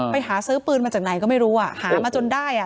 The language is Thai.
ไปหาซื้อปืนมาจากไหนก็ไม่รู้อ่ะหามาจนได้อ่ะ